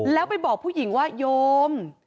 แล้วไปบอกผู้หญิงว่าโยม